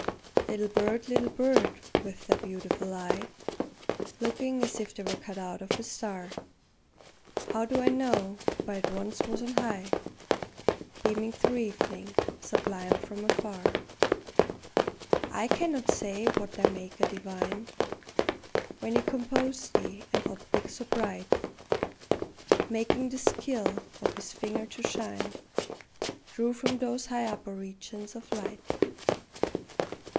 Little bird, little bird, with thy beautiful eye. Looking as if 't were cut out of a star, How do I know but it once was on high, Beaming through evening, sublime from afar? I cannot say what thy Maker divine, When he composed thee an optic so bright, Making the skill of his finger to shine, Drew from those high upper regions of light.